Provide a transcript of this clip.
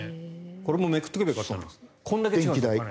これもめくっておけばよかったな。